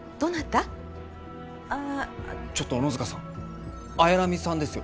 ちょっと小野塚さん綾波さんですよ。